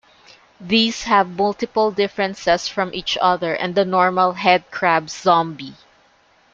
These have multiple differences from each other and the normal headcrab zombie.